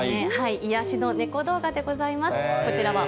癒やしの猫動画でございます。